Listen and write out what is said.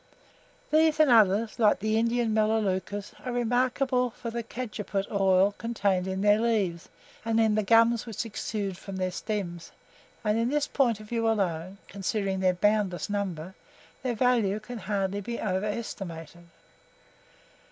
These and others, like the Indian malelucas, are remarkable for the Cajeput oil contained in their leaves, and in the gums which exude from their sterns, and in this point of view alone, considering their boundless number, their value can hardly be over estimated.